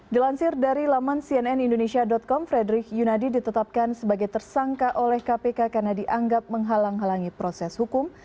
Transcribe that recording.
dilansir dari laman cnnindonesia com frederick yunadi ditetapkan sebagai tersangka oleh kpk karena dianggap menghalang halangi proses hukum